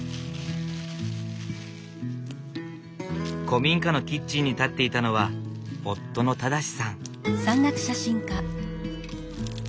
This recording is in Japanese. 古民家のキッチンに立っていたのは夫の正さん。